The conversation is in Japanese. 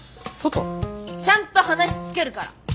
ちゃんと話つけるから！